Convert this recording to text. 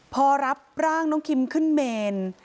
พอรับร่างน้องคิมขึ้นเมน